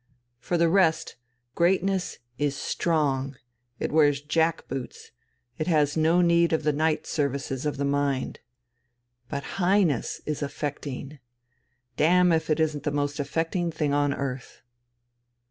For the rest, greatness is strong, it wears jack boots, it has no need of the knight services of the mind. But Highness is affecting damme if it isn't the most affecting thing on earth."